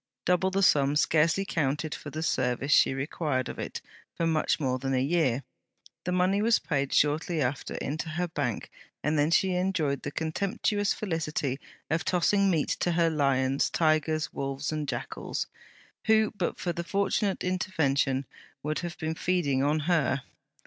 Double the sum scarcely counted for the service she required of it for much more than a year. The money was paid shortly after into her Bank, and then she enjoyed the contemptuous felicity of tossing meat to her lions, tigers, wolves, and jackals, who, but for the fortunate intervention, would have been feeding on her.